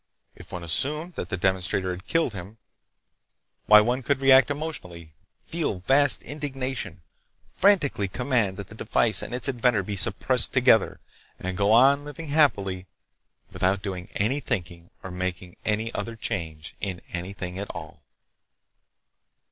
If one assumed that the demonstrator had killed him,—why one could react emotionally, feel vast indignation, frantically command that the device and its inventor be suppressed together, and go on living happily without doing any thinking or making any other change in anything at all.